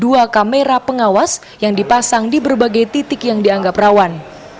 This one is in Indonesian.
dengan tiga puluh dua kamera pengawas yang dipasang di berbagai titik yang dianggap rawan